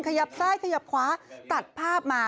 ขยับซ้ายขยับขวาตัดภาพมา